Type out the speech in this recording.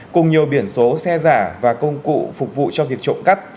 cùng nhiều biển số xe giả và công cụ phục vụ cho việc trộm cắp